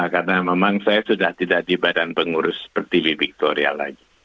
karena memang saya sudah tidak di badan pengurus per tv victoria lagi